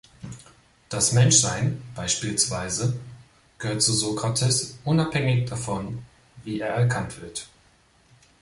Das Menschsein beispielsweise gehört zu Sokrates unabhängig davon, wie er erkannt wird.